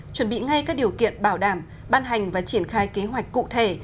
chuẩn bị ngay các điều kiện bảo đảm ban hành và triển khai kế hoạch cụ thể